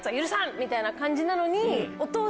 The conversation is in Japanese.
みたいな感じなのに。